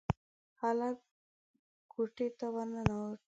هلک کوټې ته ورننوت.